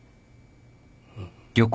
うん。